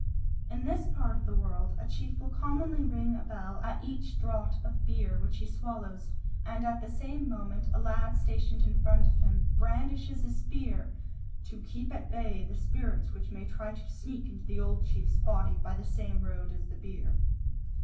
In this part of the world a chief will commonly ring a bell at each draught of beer which he swallows, and at the same moment a lad stationed in front of him brandishes a spear "to keep at bay the spirits which might try to sneak into the old chief's body by the same road as the beer."